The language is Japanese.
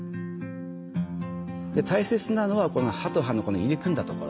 大切なのはこの歯と歯のこの入り組んだ所。